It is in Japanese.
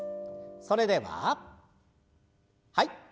それでははい。